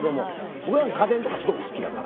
僕なんか家電とかすごく好きだから。